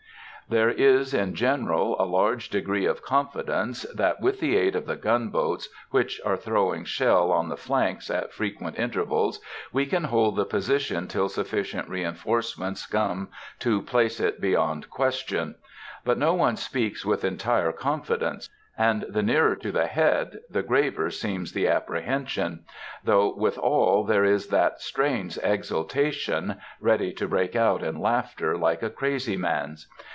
There is, in general, a large degree of confidence that, with the aid of the gunboats, which are throwing shell on the flanks at frequent intervals, we can hold the position till sufficient reinforcements come to place it beyond question; but no one speaks with entire confidence, and the nearer to the head the graver seems the apprehension,—though with all there is that strange exultation—ready to break out in laughter, like a crazy man's.